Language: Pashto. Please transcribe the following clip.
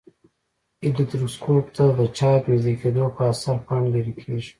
الکتروسکوپ ته د چارج نژدې کېدو په اثر پاڼې لیري کیږي.